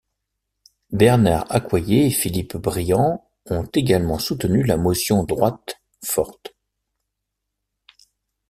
Bernard Accoyer et Philippe Briand ont également soutenu la motion Droite forte.